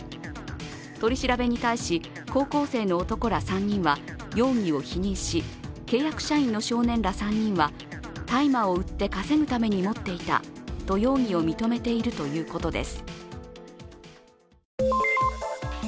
取り調べに対し、高校生の男らさ人は容疑を否認し、契約社員の少年ら３人は大麻を売って稼ぐために持っていたと容疑を認めているということです。